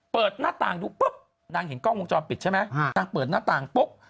เปิดหน้าต่างดูปุ๊บนางเห็นกล้องวงจรปิดใช่ไหมนางเปิดหน้าต่างปุ๊บ